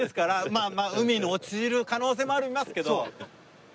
まあまあ海に落ちる可能性もありますけど。